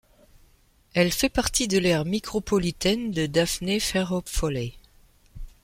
Elle fait partie de l'aire micropolitaine de Daphne–Fairhope–Foley.